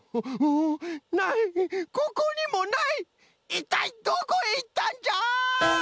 いったいどこへいったんじゃ！